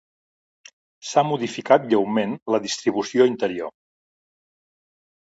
S'ha modificat lleument la distribució interior.